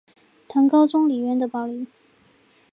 唐高祖李渊的宝林。